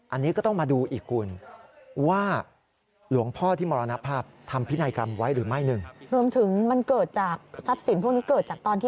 อันนี้ก็ต้องมาดูอีกคุณว่าหลวงพ่อที่มรณภาพทำพินัยกรรมไว้หรือไม่หนึ่ง